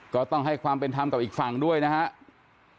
ก็ต้องให้ความเป็นธรรมกับอีกฝั่งด้วยนะครับ